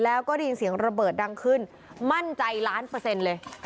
แล้วก็ได้ยินเสียงระเบิดดังขึ้นมั่นใจล้านเปอร์เซ็นต์เลย